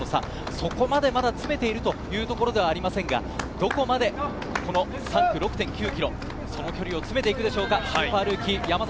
そこまでまだ詰めているというところではありませんが、どこまで３区でその距離を詰めていくでしょうか。